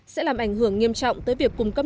sẽ làm ảnh hưởng nghiêm trọng tới việc cung cấp